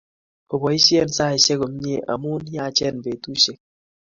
Oboisie saisiek komie ,amu yaachenbetusiek.